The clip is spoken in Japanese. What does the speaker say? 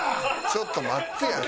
ちょっと待ってや。